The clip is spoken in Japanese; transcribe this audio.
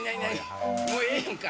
もうええやんか・・